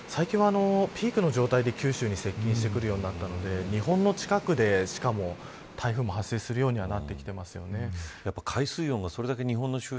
多少、弱まりながら北上してくるんですけど最近はピークの状態で九州に接近してくるようになったので日本の近くでしかも台風も発生するようになってきてますよね。